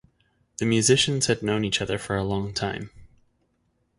The musicians had known each other for a long time.